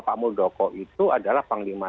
pak muldoko itu adalah panglima